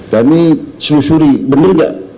kami selusuri bener gak